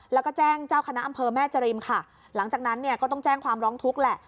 แล้วก็แจ้งเจ้าคณะอำเภอแม่จริมค่ะหลังจากนั้นเนี่ยก็ต้องแจ้งความร้องทุกข์แหละ